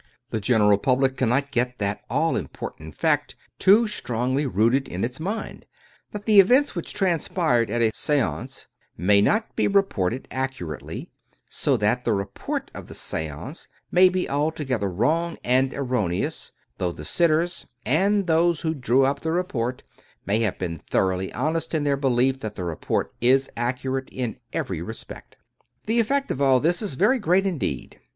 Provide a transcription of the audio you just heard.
The general public cannot get that all important fact too strongly rooted in its mind : that the events which transpired at a seance may not be reported accurately, so that the report of the seance may be altogether wrong and erroneous, though the sit ters, and those who drew up the report, may have been thoroughly honest in their belief that the report is accurate in every respect. The effect of all this is very great indeed.